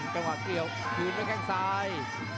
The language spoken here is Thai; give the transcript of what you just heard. กลับมาเกี่ยวถืกกับแก้งซ้าย